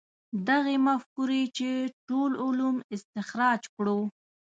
دغې مفکورې چې ټول علوم استخراج کړو.